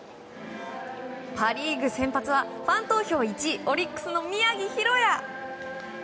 パ・リーグ先発はファン投票１位オリックスの宮城大弥。